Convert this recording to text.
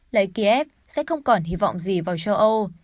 lấy kiev sẽ không còn hy vọng gì vào châu âu